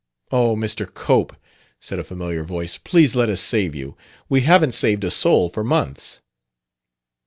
"Oh, Mr. Cope," said a familiar voice, "please let us save you. We haven't saved a soul for months."